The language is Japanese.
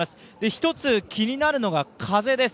一つ気になるのが風です。